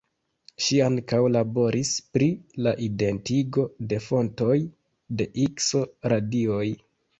Ŝi ankaŭ laboris pri la identigo de fontoj de ikso-radioj.